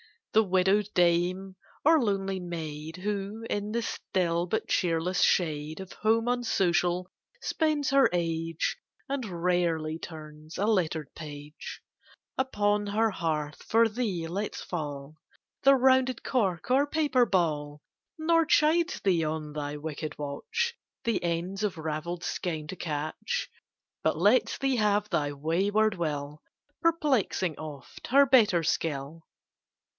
The widowed dame or lonely maid, Who, in the still but cheerless shade Of home unsocial, spends her age, And rarely turns a lettered page, Upon her hearth for thee lets fall The rounded cork or paper ball, Nor chides thee on thy wicked watch, The ends of raveled skein to catch, But lets thee have thy wayward will, Perplexing oft her better skill.